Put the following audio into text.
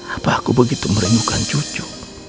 apa aku begitu merindukan cucu